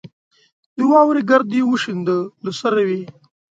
د واورې ګرد یې وشینده له سروې